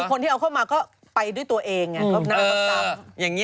คนที่เอาเข้ามาก็ไปด้วยตัวเอง